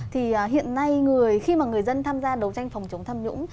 thì hiện nay khi mà người dân tham gia đấu tranh phòng chống tham nhũng